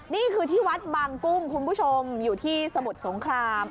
นี่คือที่วัดบางกุ้งคุณผู้ชมอยู่ที่สมุทรสงคราม